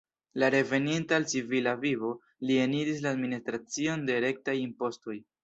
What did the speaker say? Reveninta al civila vivo, li eniris administracion de rektaj impostoj.